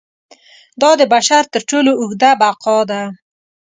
دا د بشر تر ټولو اوږده بقا ده.